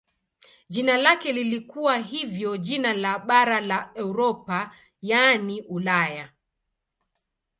Jina lake lilikuwa hivyo jina la bara la Europa yaani Ulaya.